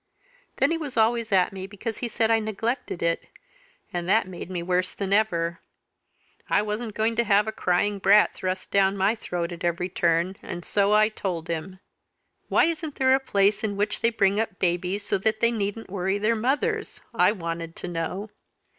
Then he was always at me because he said I neglected it; and that made me worse than ever: I wasn't going to have a crying brat thrust down my throat at every turn, and so I told him. 'Why isn't there a place in which they bring up babies so that they needn't worry their mothers?' I wanted to know.